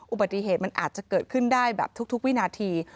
อุบัติเหตุมันอาจจะเกิดขึ้นได้แบบทุกวินาที